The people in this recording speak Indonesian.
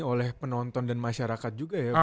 oleh penonton dan masyarakat juga ya pak